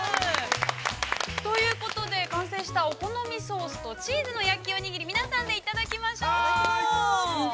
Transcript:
◆ということで完成したお好みソースとチーズの焼きおにぎり皆さんでいただきましょう。